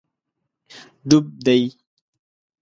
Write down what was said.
ډوب دی